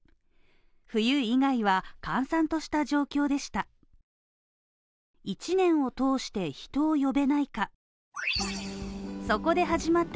冬以外は閑散とした状況でした。